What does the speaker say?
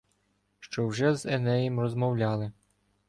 Що вже з Енеєм розмовляли